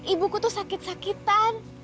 ibuku tuh sakit sakitan